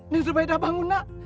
neng zubeda bangun nak